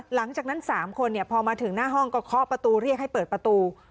หลังจากนั้น๓คนพอมาถึงหน้าห้องก็เคาะประตูเรียกให้เปิดประตู